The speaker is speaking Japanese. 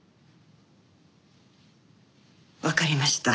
わかりました。